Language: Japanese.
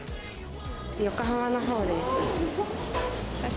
横浜のほうです。